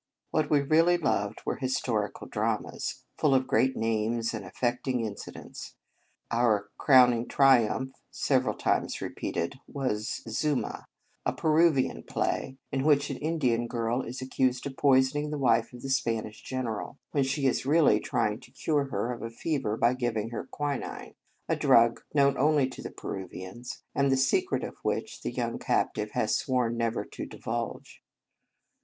What we really loved were histor ical dramas, full of great names and affecting incidents. Our crowning triumph (several times repeated) was "Zuma," a Peruvian play in which 45 In Our Convent Days an Indian girl is accused of poisoning the wife of the Spanish general, when she is really trying to cure her of a fever by giving her quinine, a drug known only to the Peruvians, and the secret of which the young captive has sworn never to divulge.